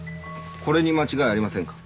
これに間違いありませんか？